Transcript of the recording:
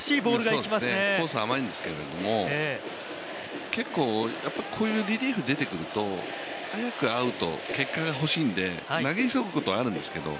そうですね、コース甘いんですけど、結構、こういうリリーフ出てくると早くアウト、結果が欲しいので、投げ急ぐことはあるんですけど